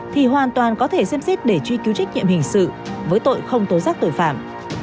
thì hoàn toàn có thể xem xét để truy cứu trách nhiệm hình sự với tội không tố giác tội phạm